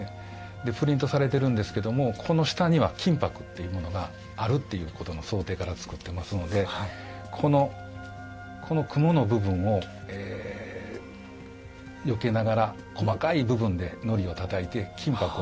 でプリントされているんですけどもこの下には金箔っていうものがあるっていうことの想定からつくってますのでこの雲の部分をよけながら細かい部分でのりをたたいて金箔を入れ込んでやるっていう作業。